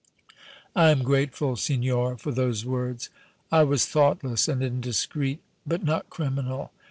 "I am grateful, signora, for those words. I was thoughtless and indiscreet, but not criminal.